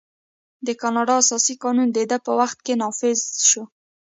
د کاناډا اساسي قانون د ده په وخت کې نافذ شو.